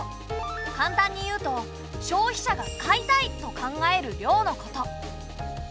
簡単に言うと消費者が「買いたい！」と考える量のこと。